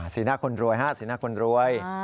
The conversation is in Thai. หน้าคนรวยฮะสีหน้าคนรวย